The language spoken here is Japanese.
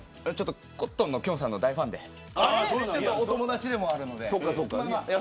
コットンのきょんさんの大ファンでお友達でもあるので。